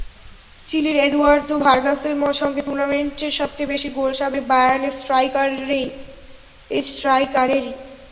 চিলির এদুয়ার্দো ভার্গাসের সঙ্গে টুর্নামেন্টের সবচেয়ে বেশি গোল সাবেক বায়ার্ন স্ট্রাইকারেরই।